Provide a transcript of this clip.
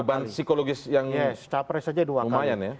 ini beban psikologis yang lumayan ya